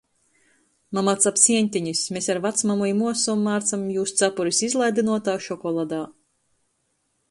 Mama cap sieņtenis, mes ar vacmamu i muosom mārcam jūs capuris izlaidynuotā šokoladā.